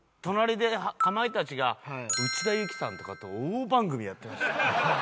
隣でかまいたちが内田有紀さんとかと大番組やってました。